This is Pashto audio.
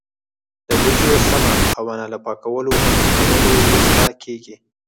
د وریجو سمه پخونه له پاکولو او لمدولو وروسته کېږي.